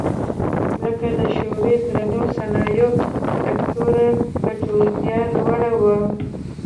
لکه د شوروي درنو صنایعو سکتور ګټورتیا لوړه وه